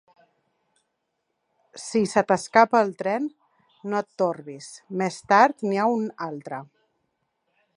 Si se t'escapa el tren, no et torbis; més tard n'hi ha un altre.